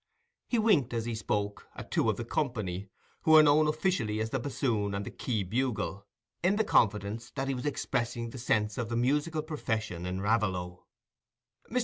He winked, as he spoke, at two of the company, who were known officially as the "bassoon" and the "key bugle", in the confidence that he was expressing the sense of the musical profession in Raveloe. Mr.